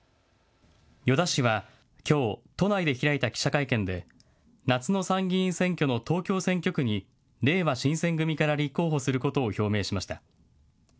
よだ氏はきょう都内で開いた記者会見で夏の参議院選挙の東京選挙区にれいわ新選組から立候補することを表明しました。